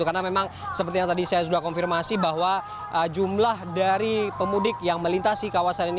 karena memang seperti yang tadi saya sudah konfirmasi bahwa jumlah dari pemudik yang melintasi kawasan ini